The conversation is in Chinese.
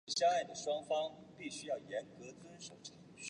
重量级是搏击运动的体重级别之一。